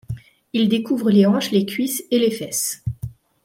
Il découvre les hanches, les cuisses et les fesses.